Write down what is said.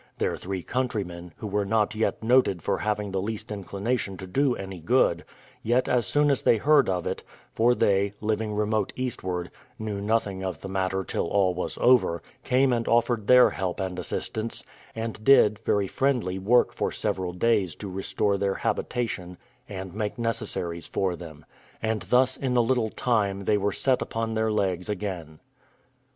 Their three countrymen, who were not yet noted for having the least inclination to do any good, yet as soon as they heard of it (for they, living remote eastward, knew nothing of the matter till all was over), came and offered their help and assistance, and did, very friendly, work for several days to restore their habitation and make necessaries for them. And thus in a little time they were set upon their legs again.